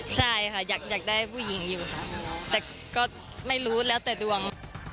ใช่ค่ะอยากได้ผู้หญิงอยู่ค่ะแต่ก็ไม่รู้แล้วแต่ดวง